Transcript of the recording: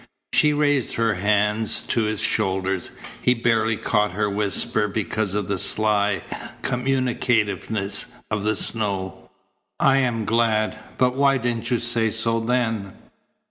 She raised her hands to his shoulders. He barely caught her whisper because of the sly communicativeness of the snow. "I am glad, but why didn't you say so then?"